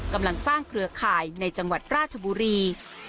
กำลังสร้างเครือข่ายในจังหวัดราชบุรี